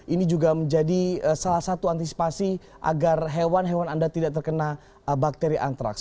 ini juga menjadi salah satu antisipasi agar hewan hewan anda tidak terkena bakteri antraks